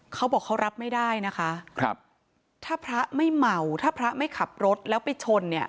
เขาบอกเขารับไม่ได้นะคะครับถ้าพระไม่เมาถ้าพระไม่ขับรถแล้วไปชนเนี่ย